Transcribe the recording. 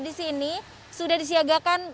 di sini sudah disiagakan